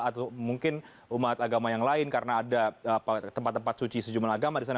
atau mungkin umat agama yang lain karena ada tempat tempat suci sejumlah agama di sana